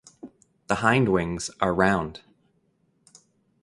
The hindwings are round.